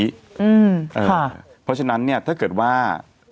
เพราะฉะนั้นเนี่ยถ้าเกิดว่า